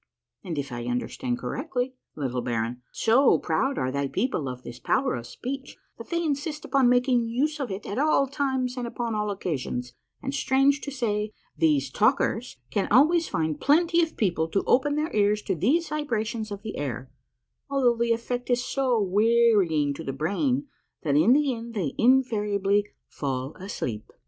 And if I understand correctly, little baron, so proud are thy people of this power of speech that they insist upon making use of it at all times and upon all occasions, and, strange to say, tliese ' talkers ' can always find plenty of people to open their ears to these vibrations of the air, although the effect is so wearying to the brain that in the end they invariably fall asleep.